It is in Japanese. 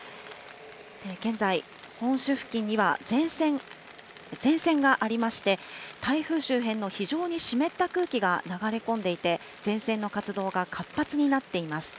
現在、本州付近には前線がありまして、台風周辺の非常に湿った空気が流れ込んでいて、前線の活動が活発になっています。